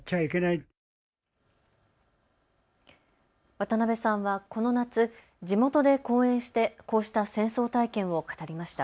渡邉さんはこの夏、地元で講演してこうした戦争体験を語りました。